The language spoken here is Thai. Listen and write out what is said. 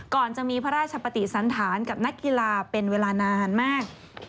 ก่อนจะมีพระราชปฏิสันธารกับนักกีฬาเป็นเวลานานมาก